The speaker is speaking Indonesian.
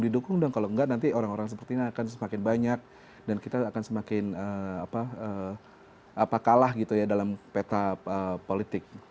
didukung dong kalau enggak nanti orang orang seperti ini akan semakin banyak dan kita akan semakin kalah gitu ya dalam peta politik